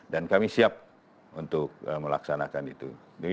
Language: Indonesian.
dan kami siap untuk melaksanakan itu